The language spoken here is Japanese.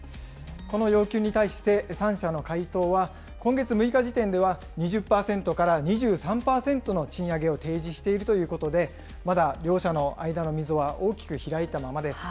この要求に対して、３社の回答は、今月６日時点では、２０％から２３％の賃上げを提示しているということで、まだ両者の間の溝は大きく開いたままです。